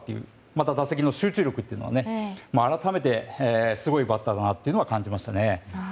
また、打席の集中力を改めて、すごいバッターだなと感じましたね。